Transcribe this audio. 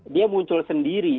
dia muncul sendiri